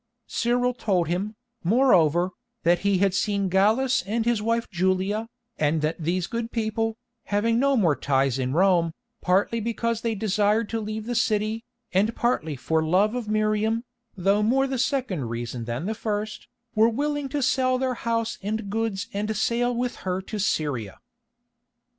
Cyril told him, moreover, that he had seen Gallus and his wife Julia, and that these good people, having no more ties in Rome, partly because they desired to leave the city, and partly for love of Miriam, though more the second reason than the first, were willing to sell their house and goods and to sail with her to Syria.